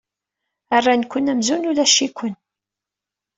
Rran-ken amzun ulac-iken.